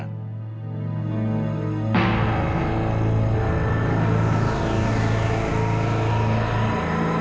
terima kasih pak rachel